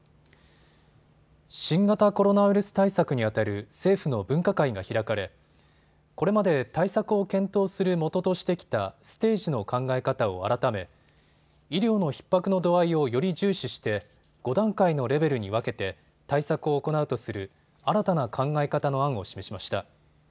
新型コロナウイルス対策にあたる政府の分科会が開かれこれまで対策を検討するもととしてきたステージの考え方を改め、医療のひっ迫の度合いをより重視して５段階のレベルに分けて対策を行うとする新たな考え方の案を示しました。